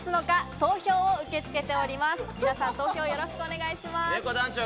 投票、よろしくお願いします。